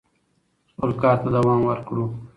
خپل کار ته دوام ورکړو.